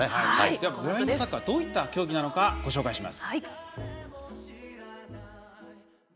ブラインドサッカーはどういった競技なのかご紹介します。